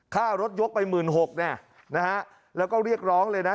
ค่ารถยกไปหมื่นหกเนี่ยแล้วก็เรียกร้องเลยนะ